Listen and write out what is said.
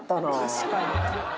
確かに。